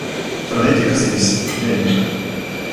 Фонетика зависит от диалекта.